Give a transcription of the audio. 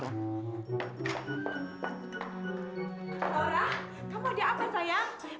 laura kamu ada apa sayang